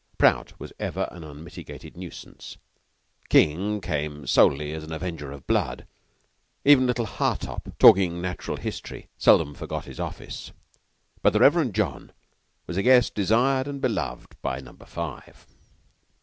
Prout was ever an unmitigated nuisance; King came solely as an avenger of blood; even little Hartopp, talking natural history, seldom forgot his office; but the Reverend John was a guest desired and beloved by Number Five.